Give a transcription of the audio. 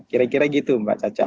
kira kira gitu mbak caca